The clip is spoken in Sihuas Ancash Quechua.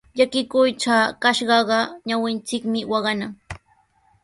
Llakikuytraw kashqaqa ñawinchikmi waqanan.